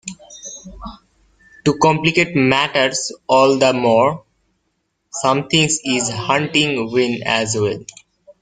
To complicate matters all the more, something is hunting Wynn as well.